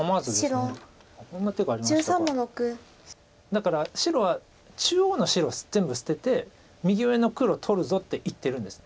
だから白は中央の白を全部捨てて右上の黒取るぞって言ってるんです。